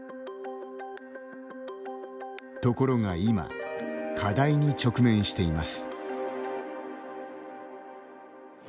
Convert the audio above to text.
ところが今課題に直面しています。